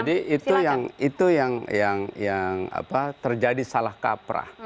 jadi itu yang terjadi salah kaprah